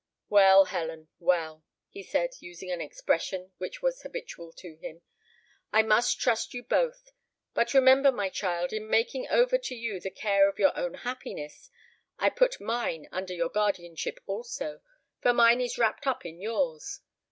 "Well, Helen, well," he said, using an expression which was habitual to him, "I must trust you both; but remember, my child, in making over to you the care of your own happiness, I put mine under your guardianship also, for mine is wrapped up in yours.